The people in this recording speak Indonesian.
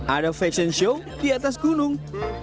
ada fashion show di atas gunung